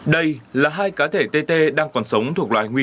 đây là hai cá thể tê tê đang còn sống thuộc loài nguy cấp